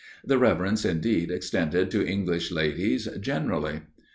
The reverence, indeed, extended to English ladies generally.